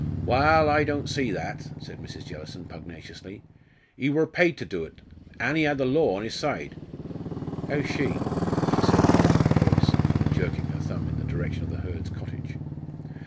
"Wal, I don't see that," said Mrs. Jellison, pugnaciously; "he wor paid to do 't an' he had the law on his side. 'Ow 's she?" she said, lowering her voice and jerking her thumb in the direction of the Hurds' cottage.